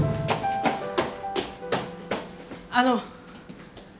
あの。